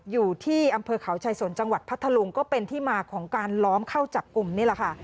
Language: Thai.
อยู่ที่อำเภอเขาชายสนจังหวัดพัทธลุงก็เป็นที่มาของการล้อมเข้าจับกลุ่มนี่แหละค่ะ